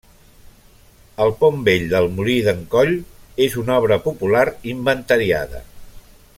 El Pont Vell del Molí d'en Coll és una obra popular inventariada.